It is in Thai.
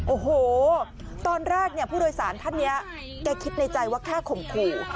โอ้โหตอนแรกเนี่ยผู้โดยสารท่านนี้แกคิดในใจว่าแค่ข่มขู่